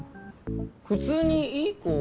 普通にいい子。